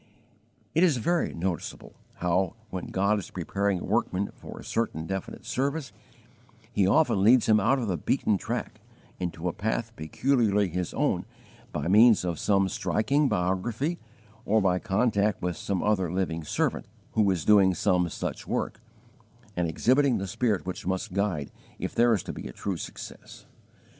It is very noticeable how, when God is preparing a workman for a certain definite service, He often leads him out of the beaten track into a path peculiarly His own by means of some striking biography, or by contact with some other living servant who is doing some such work, and exhibiting the spirit which must guide if there is to be a true success.